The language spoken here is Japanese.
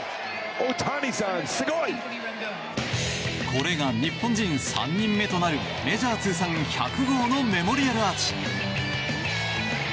これが日本人３人目となるメジャー通算１００号のメモリアルアーチ。